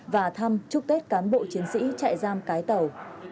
và thăm chúc tết cán bộ chiến sĩ trại giam cái tàu